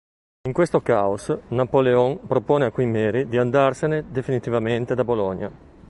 In questo caos, Napoleon propone a Queen Mary di andarsene definitivamente da Bologna.